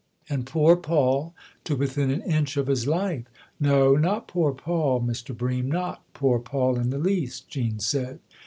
"And poor Paul to within an inch of his life." " No, not poor Paul, Mr. Bream ; not poor Paul in the least," Jean said.